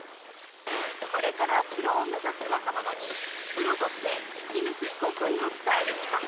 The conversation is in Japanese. これからプロを目指す若者にプロとして生き抜く極意を伝える企画